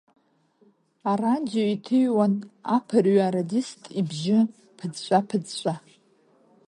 Арадио иҭыҩуан аԥырҩы-арадист ибжьы ԥыҵәҵәа-ԥыҵәҵәа.